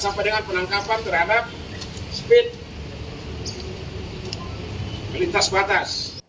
sampai dengan penangkapan terhadap speed lintas batas